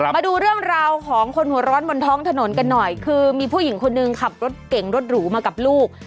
มาดูเรื่องราวของคนหัวร้อนบนท้องถนนกันหน่อยคือมีผู้หญิงคนหนึ่งขับรถเก่งรถหรูมากับลูก